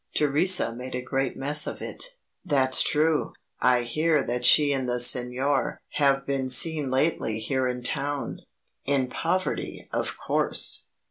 Theresa made a great mess of it." "That's true. I hear that she and the Signor have been seen lately here in town. In poverty, of course.